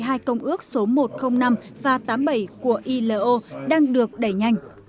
hai công ước số một trăm linh năm và tám mươi bảy của ilo đang được đẩy nhanh